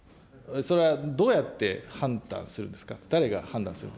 それはどうやって判断するんですか。